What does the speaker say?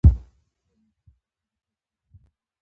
سپوږمۍ په پښتو شاعري کښي یو سمبول دئ.